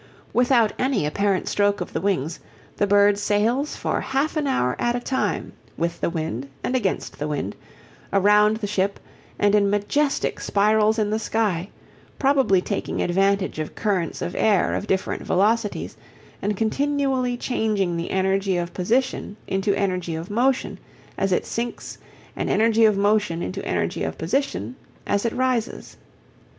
Without any apparent stroke of the wings, the bird sails for half an hour at a time with the wind and against the wind, around the ship and in majestic spirals in the sky, probably taking advantage of currents of air of different velocities, and continually changing energy of position into energy of motion as it sinks, and energy of motion into energy of position as it rises.